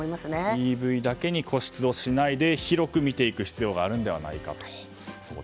ＥＶだけに固執をしないで広く見ていく必要があるのではないかと。